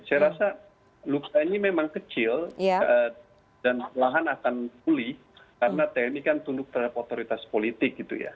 saya rasa luka ini memang kecil dan lahan akan pulih karena tni kan tunduk terhadap otoritas politik gitu ya